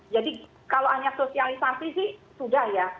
jadi kalau hanya sosialisasi sih sudah ya